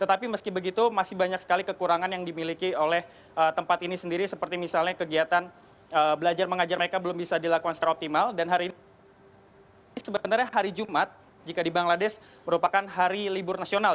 tetapi meski begitu masih banyak sekali kekurangan yang dimiliki oleh tempat ini sendiri seperti misalnya kegiatan belajar mengajar mereka belum bisa dilakukan secara optimal dan hari ini sebenarnya hari jumat jika di bangladesh merupakan hari libur nasional